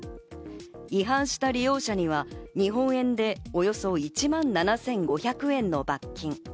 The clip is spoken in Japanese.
違反した利用者には日本円でおよそ１万７５００円の罰金。